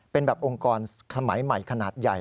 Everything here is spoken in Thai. เป็นแบบองค์กรสมัยใหม่ขนาดใหญ่